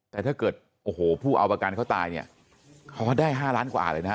แต่ถ้าเกิดโอ้โหผู้เอาประกันเขาตายเนี่ยเขาก็ได้๕ล้านกว่าเลยนะ